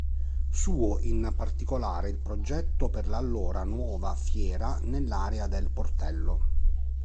Suo, in particolare, il progetto per l'allora nuova Fiera nell'area del Portello.